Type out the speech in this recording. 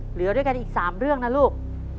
เหลือด้วยกันอีก๓เรื่องนะลูก